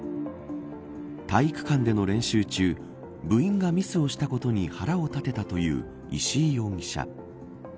体育館での練習中部員がミスをしたことに腹を立てたという石井容疑者。